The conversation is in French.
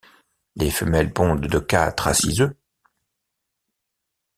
Les femelles pondent de quatre à six œufs.